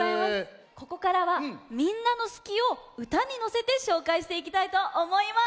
ここからはみんなの「すき」をうたにのせてしょうかいしていきたいとおもいます。